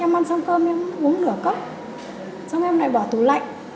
em ăn xong cơm em uống nửa cốc xong em lại bỏ tủ lạnh